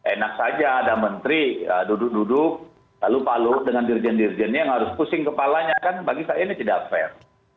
enak saja ada menteri duduk duduk lalu pak luhut dengan dirjen dirjennya yang harus pusing kepalanya kan bagi saya ini tidak fair